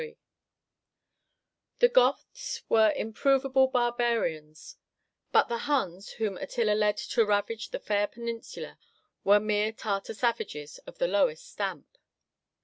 ] The Goths were "improvable barbarians;" but the Huns whom Attila led to ravage the fair peninsula were mere Tartar savages of the lowest stamp.